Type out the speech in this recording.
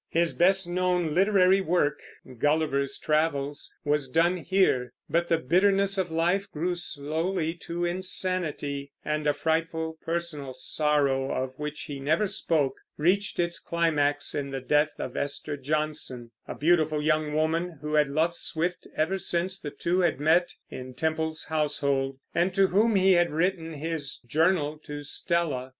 His best known literary work, Gulliver's Travels, was done here; but the bitterness of life grew slowly to insanity, and a frightful personal sorrow, of which he never spoke, reached its climax in the death of Esther Johnson, a beautiful young woman, who had loved Swift ever since the two had met in Temple's household, and to whom he had written his Journal to Stella.